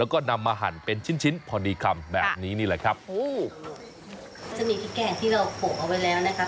แล้วก็นำมาหั่นเป็นชิ้นชิ้นพอดีคำแบบนี้นี่แหละครับโอ้จะมีพริกแกงที่เราโปะเอาไว้แล้วนะคะ